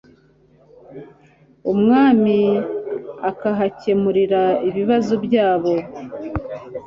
umwami akahakemurira ibibazo byabo.